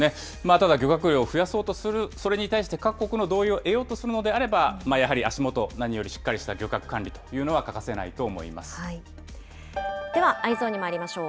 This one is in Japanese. ただ、漁獲量を増やそうとする、それに対して、各国の同意を得ようとするのであれば、やはり足元何よりしっかりした漁獲管理というのが、欠かせないとでは、Ｅｙｅｓｏｎにまいりましょう。